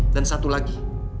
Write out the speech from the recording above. dan satu lagi